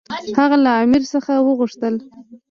هغه له امیر څخه وغوښتل.